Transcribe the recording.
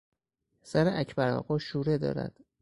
سر اکبر آقا شوره دارد.